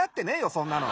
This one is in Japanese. そんなの。